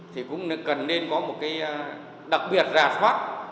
thì cũng cần nên có một cái đặc biệt rà soát